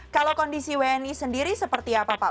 kalau kondisi wni sendiri seperti apa pak